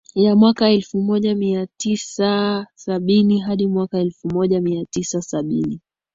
ya mwaka elfu moja mia tisa sabini hadi mwaka elfu moja mia tisa sabini